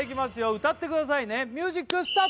歌ってくださいねミュージックスタート！